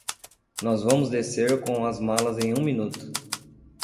Nós vamos descer com as malas em um minuto.